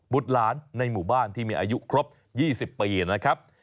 หลานในหมู่บ้านที่มีอายุครบ๒๐ปีนะครับ